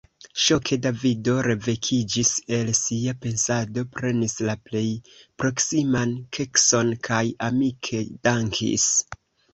Ŝoke Davido revekiĝis el sia pensado, prenis la plej proksiman kekson kaj amike dankis.